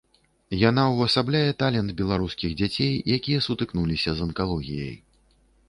Яна ўвасабляе талент беларускіх дзяцей, якія сутыкнуліся з анкалогіяй.